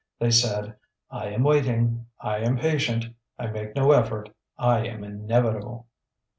They said: "I am waiting, I am patient, I make no effort, I am inevitable."